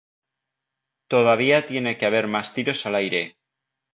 Todavía tiene que haber más tiros al aire.